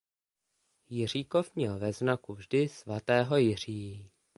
Jiříkov měl ve znaku vždy svatého Jiří.